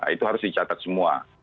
itu harus dicatat semua